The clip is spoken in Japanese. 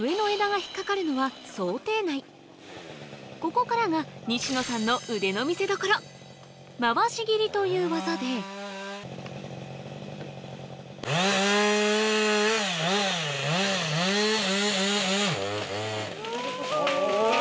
ここからが西野さんの腕の見せどころ回し切りという技で・うぉ！